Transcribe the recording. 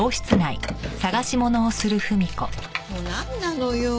もうなんなのよ？